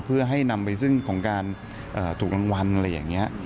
เพื่อให้นำไปซึ่งของการถูกรางวัลอะไรอย่างนี้